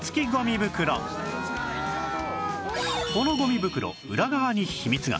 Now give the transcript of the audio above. このゴミ袋裏側に秘密が